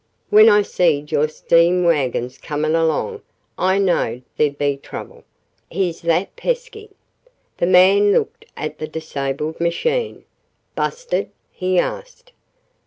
When I seed your steam wagons comin' along I knowed there would be trouble. He's that pesky!" The man looked at the disabled machine. "Busted?" he asked.